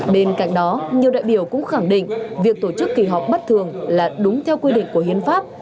bên cạnh đó nhiều đại biểu cũng khẳng định việc tổ chức kỳ họp bất thường là đúng theo quy định của hiến pháp